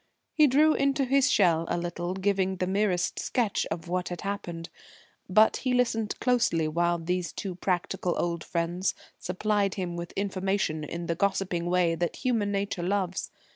He drew into his shell a little, giving the merest sketch of what had happened. But he listened closely while these two practical old friends supplied him with information in the gossiping way that human nature loves.